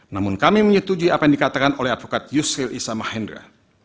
namun kami menyetujui apa yang dikatakan oleh advokat yusril isamahendra